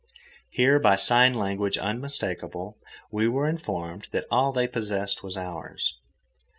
Here, by sign language unmistakable, we were informed that all they possessed was ours.